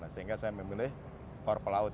sehingga saya memilih korps pelaut